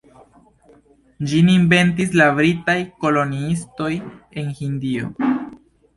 Ĝin inventis la britaj koloniistoj en Hindio.